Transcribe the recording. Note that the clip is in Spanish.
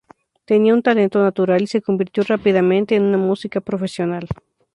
Tenía un talento natural y se convirtió rápidamente en una música profesional.